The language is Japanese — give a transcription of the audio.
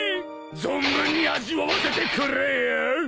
存分に味わわせてくれよ。